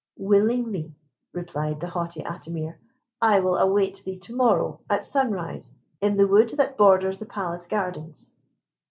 "Willingly," replied the haughty Atimir. "I will await thee to morrow at sunrise in the wood that borders the palace gardens."